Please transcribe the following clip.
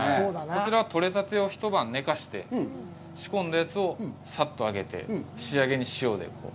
こちらは取れたてを一晩寝かして、仕込んだやつをさっと揚げて、仕上げに塩で。